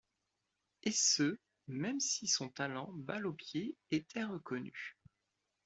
Et ce, même si son talent balle au pied était reconnu.